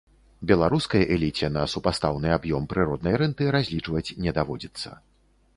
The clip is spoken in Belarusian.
Беларускай эліце на супастаўны аб'ём прыроднай рэнты разлічваць не даводзіцца.